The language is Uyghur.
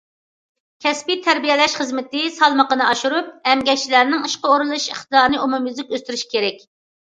كەسپىي تەربىيەلەش خىزمىتى سالمىقىنى ئاشۇرۇپ، ئەمگەكچىلەرنىڭ ئىشقا ئورۇنلىشىش ئىقتىدارىنى ئومۇميۈزلۈك ئۆستۈرۈش كېرەك.